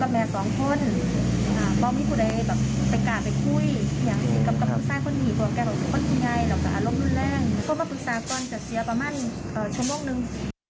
เข้ามาปรึกษาก่อนจะเสียประมาณชั่วโมงหนึ่ง